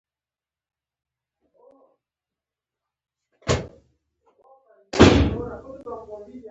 مینه کور په جنت بدلوي.